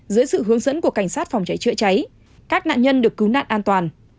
dưới sự hướng dẫn của cảnh sát phòng cháy chữa cháy các nạn nhân được cứu nạn an toàn